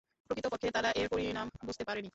প্রকৃতপক্ষে তারা এর পরিণাম বুঝতে পারেনি।